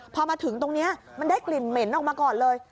พอมาถึงตรงนี้มันได้กลิ่นเหม็นออกมาก่อนเลย